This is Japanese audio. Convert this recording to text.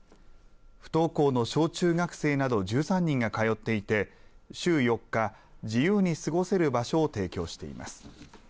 不登校の小中学生など１３人が通っていて週４日、自由に過ごせる場所を提供しています。